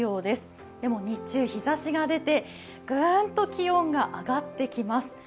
でも日中、日ざしが出て、グーンと気温が上がってきます。